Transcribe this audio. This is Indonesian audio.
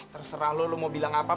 terserah lu lu mau bilang apa